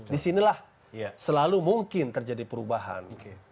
disinilah selalu mungkin terjadi perubahan